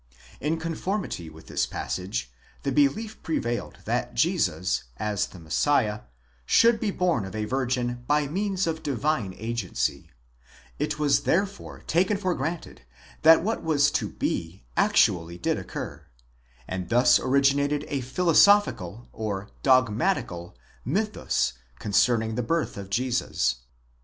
In conformity with this passage the belief prevailed that Jesus, as the Messiah, should be born of a virgin by means of divine agency ; it was therefore taken for granted that what was to be actually did occur ; and thus originated a philosophical (dogmatical) mythus concerning the birth of Jesus.